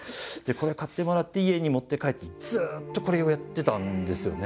これを買ってもらって家に持って帰ってずっとこれをやってたんですよね。